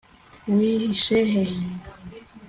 wihishe he